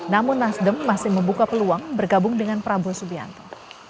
namun nasdem masih membuka peluang bergabung dengan prabowo subianto